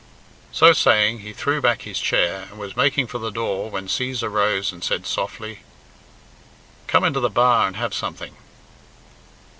So saying he threw back his chair, and was making for the door, when Cæsar rose and said softly, "Come into the bar and have something."